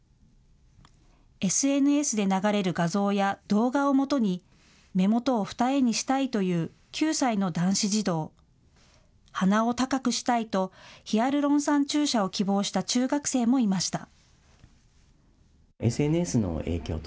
ＳＮＳで流れる画像や動画をもとに目元を二重にしたいという９歳の男子児童、鼻を高くしたいとヒアルロン酸注射を希望した中学生もいました。